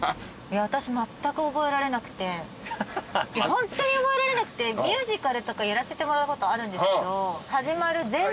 ホントに覚えられなくてミュージカルとかやらせてもらうことあるんですけど。